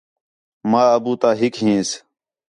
ماں، ابو تا ہِک ہینسن